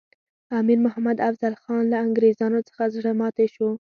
امیر محمد افضل خان له انګریزانو څخه زړه ماتي شو.